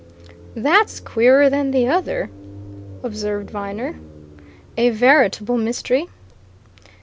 "That's queerer than the other," observed Viner. "A veritable mystery!"